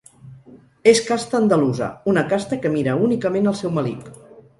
És casta andalusa; una casta que mira únicament el seu melic.